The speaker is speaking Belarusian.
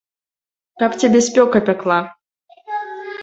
Каб цябе спёка пякла!